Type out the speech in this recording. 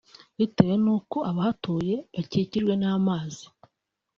bitewe n’uko abahatuye bakikijwe n’amazi